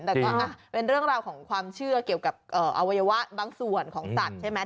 แต่ก็เป็นเรื่องราวของความเชื่อเกี่ยวกับอวัยวะบางส่วนของสัตว์ใช่ไหม